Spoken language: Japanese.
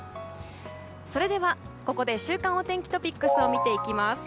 それではここで週間お天気トピックスを見ていきます。